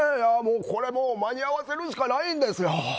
これもう間に合わせるしかないんですよ。